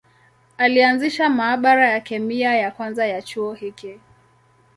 Alianzisha maabara ya kemia ya kwanza ya chuo hiki.